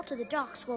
すごい！